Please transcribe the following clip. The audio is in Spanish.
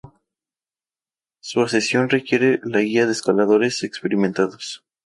Su ascensión requiere la guía de escaladores experimentados.